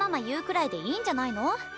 言うくらいでいいんじゃないの？